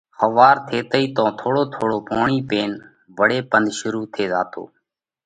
ۿوَار ٿيتئِي تو ٿوڙو ٿوڙو پوڻِي پينَ وۯي پنڌ شرُوع ٿي زاتو۔